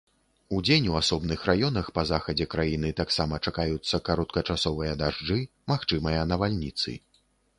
Удзень у асобных раёнах па захадзе краіны таксама чакаюцца кароткачасовыя дажджы, магчымыя навальніцы.